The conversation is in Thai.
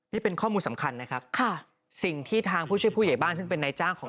ในโอบอกก็คือว่าเขาน่าจะอยู่ในพื้นที่นี่แหละคงหนีไปไหนได้ไม่ไกล